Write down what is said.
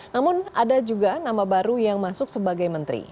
namun ada juga nama baru yang masuk sebagai menteri